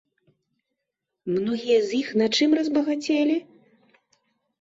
Многія з іх на чым разбагацелі?